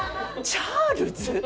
チャールズ？